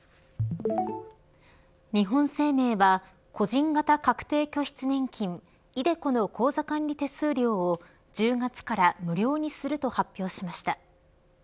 日本生命は個人型確定拠出年金＝ｉＤｅＣｏの口座管理手数料を１０月から無料にすると発表しました。